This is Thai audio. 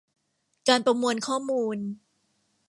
การประมวลข้อมูล